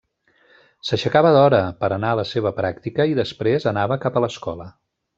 S'aixecava d'hora per anar a la seva pràctica i després anava cap a l'escola.